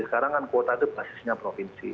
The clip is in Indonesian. sekarang kan kuota itu basisnya provinsi